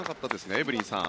エブリンさん。